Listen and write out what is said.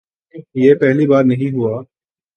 یہ پہلی بار نہیں ہوا۔